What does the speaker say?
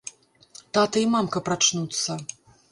Тата і мамка прачнуцца.